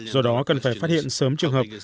do đó cần phải phát hiện sớm trường hợp